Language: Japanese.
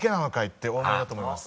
ってお思いだと思います。